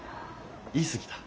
言い過ぎた。